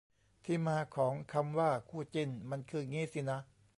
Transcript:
ที่มาของคำว่า "คู่จิ้น" มันคืองี้สินะ